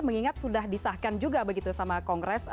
mengingat sudah disahkan juga begitu sama kongres